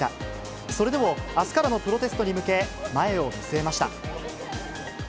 それでもあすからのプロテストに向け、前を見据えました。